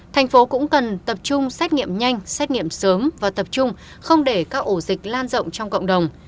thành phố cũng cần tập trung xét nghiệm nhanh xét nghiệm sớm và tập trung không để các ổ dịch lan rộng trong cộng đồng